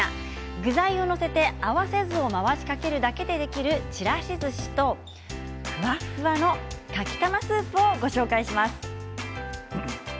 具材を載せて合わせ酢を回しかけるだけでできるちらしずしとふわふわのかきたまスープをご紹介します。